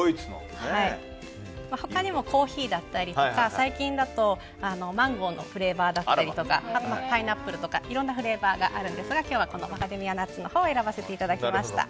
他にもコーヒーだったり最近だとマンゴーのフレーバーだったりあとパイナップルとかいろんなフレーバーがあるんですが今日はマカデミアナッツを選ばせていただきました。